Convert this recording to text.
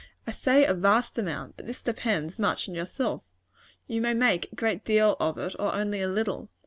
I say a vast amount; but this depends much on yourself. You may make a great deal of it, or only a little.